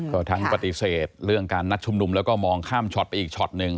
ก็ทั้งปฏิเสธเรื่องการนัดชุมนุมแล้วก็มองข้ามช็อตไปอีกช็อตหนึ่ง